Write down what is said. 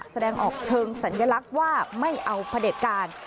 แสดงออกเชิงสัญลักษณ์ว่าไม่เอาพระเด็จการ